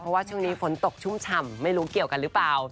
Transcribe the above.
เพราะว่าช่วงนี้ฝนตกชุ่มฉ่ำไม่รู้เกี่ยวกันหรือเปล่า